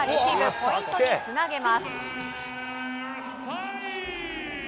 ポイントにつなげます。